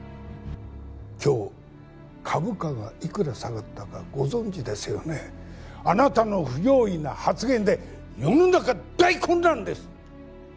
今日株価がいくら下がったかご存じですよねあなたの不用意な発言で世の中大混乱です！